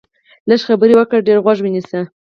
لږې خبرې وکړه، ډېر غوږ ونیسه